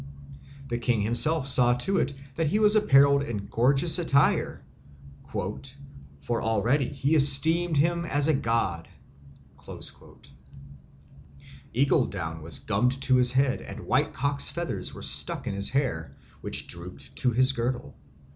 The king himself saw to it that he was apparelled in gorgeous attire, "for already he esteemed him as a god." Eagle down was gummed to his head and white cock's feathers were stuck in his hair, which drooped to his girdle.